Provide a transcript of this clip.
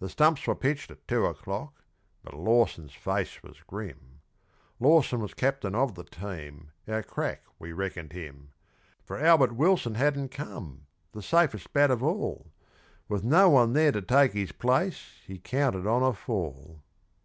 The stumps were pitched at two o'clock, but Lawson's face was grim (Lawson was Captain of the team, our crack we reckoned him), For Albert Wilson hadn't come, the safest bat of all, With no one there to take his place he counted on a fall.